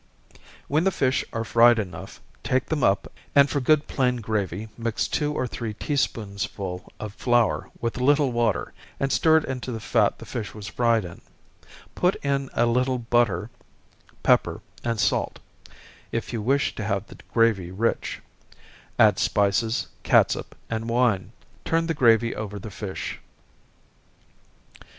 When the fish are fried enough, take them up, and for good plain gravy, mix two or three tea spoonsful of flour with a little water, and stir it into the fat the fish was fried in put in a little butter, pepper, and salt, if you wish to have the gravy rich add spices, catsup and wine turn the gravy over the fish.